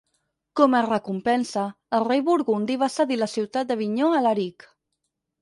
Com a recompensa, el rei burgundi va cedir la ciutat d'Avinyó a Alaric.